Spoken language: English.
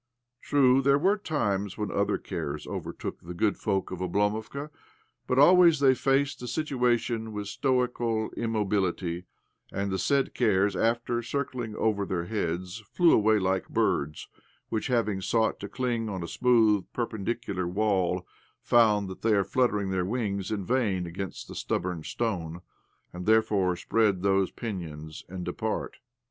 True, there were times when other cares overtook the good folk of Oblomovka, but always they faced the situation with stoical immobility, and the said cares, after circling over their heads, flew away like birds which, having sought to cling to a smooth, perpendicular wall, find that they are flutter ing their wings in vain against the stubborn stone, and therefore spread those pinions and depart.